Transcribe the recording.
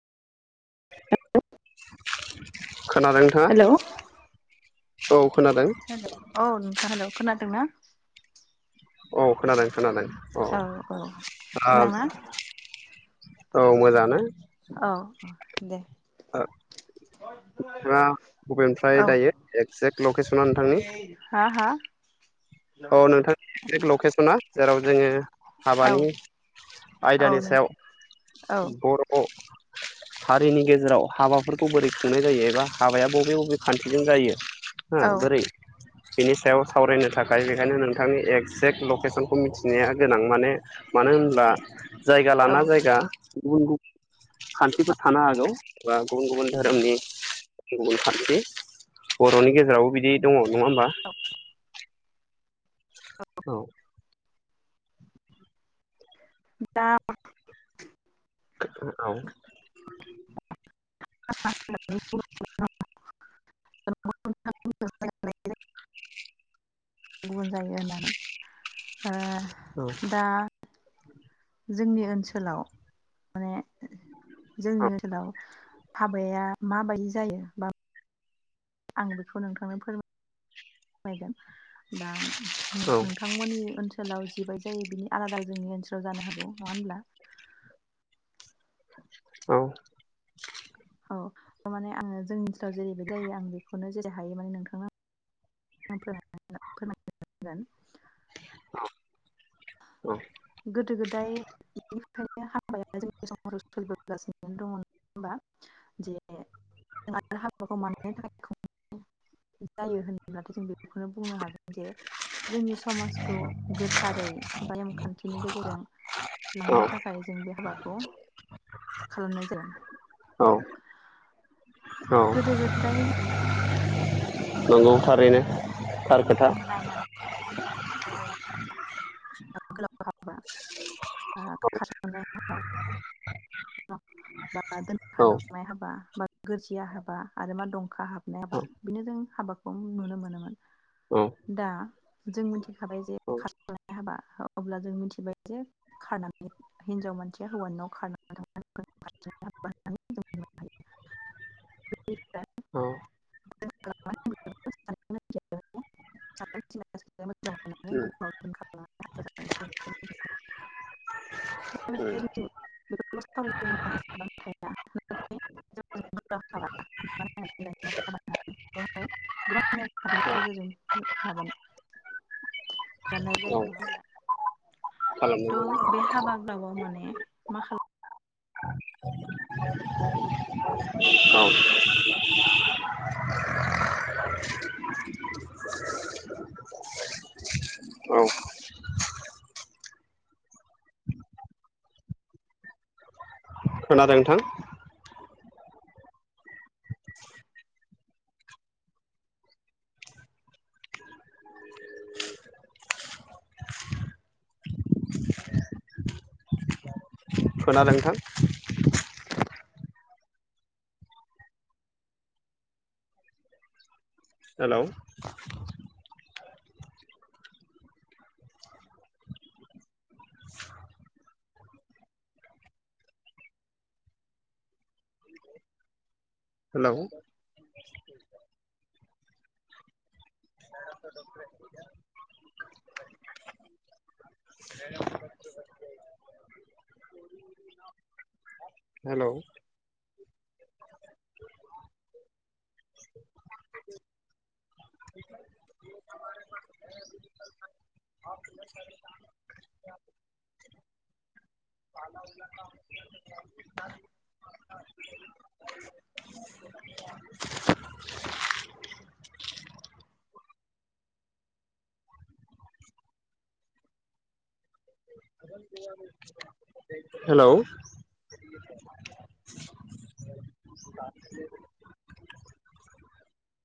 खोनादों नोंथाङा औ खोनादों खोनादों अ नोंथां हेल' खोनादों ना? अ खोनादों खोनादों अ औ आ मोजां ना औ मोजांयानो अह दे ओ नोंथाङा बबेनिफ्राय औ दायो एक्जेक्ट लकेसना नोंथांनि हा हा औ नोंथांनि एगजेक्ट लकेसना जेराव जोङो औ हाबानि औ आयदानि नों सायाव औ बर' हारिनि गेजेराव हाबाफोरखौ बोरै खुंनाय जायो एबा हाबाया बबे आव बे खान्थिजों जायो हा औ बोरै बिनि सायाव सावरायनो थाख दायो बेखायनो नोंथांनि एगजेक्ट लकेसनखौ मिथिनाया गोनां माने मानो होनब्ला जायगा औ लाना जायगा गुबुन गुबुन खान्थिफोर थानो हागौ बा गुबुन गुबुन धोरोमनि गुबुन गुबुन खान्थि बर'नि गेजेरावबो बिदि दङ नङा होमबा औ दा औ [inaudible] गुबुन जायो होननानै ओ औ दा जोंनि ओनसोलाव माने जोंनि ओथोलाव हाबाया मा बायदि जायो बा आं बेखौ नोंथांनो फोर मायगोन बा उम नोंथांमोननि ओनसो सोलाव जिबाय जायो बिनि आलादा जोंनि ओनसोलाव जानो हागौ नङा होनब्ला औ औ थारमाने आङो जोंनि ओनसोलाव जेरैबायदि जायो आं बेखौनो जेरै हायो माने नोंथांनो आं [inaudible] अ औ गोदो गोदाय बेनिफ्रायनो [unintelligible] हाबाखौ [inaudible] जायो [unintelligible] जों बेखौनो बुंनो हागोन जे जोंनि समाजखौ गोथारै बा नेमखान्थि बिनि गेजेरजों औ लांनो थाखाय जों बे हाबाखौ खालामनाय जाया औ औ गोदो गोदाय ज नोंगौ थारैनो थार खोथा [inaudible] औ दोनखालांनाय हाबा बा गोरजिया हाबा आरो मा दंखा हाबा औ नायाबा बिनो जों हाबा खौ नुनो मोनोमोन औ दा जों मोनथि खाबाय जे खारसननाय हाबा अब्ला जों मिथिबाय जे खारनानै हिनजाव मानसिया हौवानि न'आव खार [unintelligible] औ औ [inaudible] [inaudible] खानाय जायो नङा होमब्ला खालामनो त बे हाबा गोलावाव माने मा खाल [inaudible] औ खोनादों नोंथां खोनादों थां हेलौ हेलौ हेलौ हेलौ